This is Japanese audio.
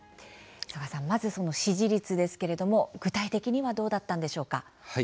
曽我さん、支持率ですけれども具体的にはどうだったんでしょうか。